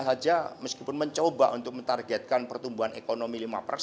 saja meskipun mencoba untuk menargetkan pertumbuhan ekonomi lima